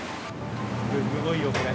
すごいよ、これ。